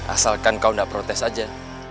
asalkan kau tidak protes aja